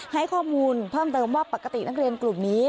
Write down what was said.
ให้ข้อมูลเพิ่มเติมว่าปกตินักเรียนกลุ่มนี้